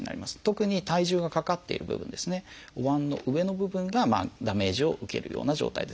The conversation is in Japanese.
特に体重がかかっている部分ですねおわんの上の部分がダメージを受けるような状態です。